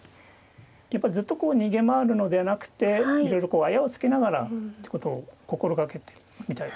やっぱりずっと逃げ回るのではなくていろいろあやを付けながらってことを心掛けてみたいですね。